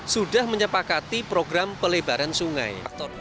sudah menyepakati program pelebaran sungai